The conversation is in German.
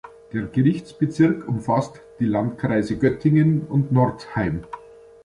Der Gerichtsbezirk umfasst die Landkreise Göttingen und Northeim.